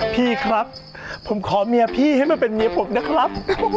พี่ครับผมขอเมียพี่ให้มาเป็นเมียผมนะครับ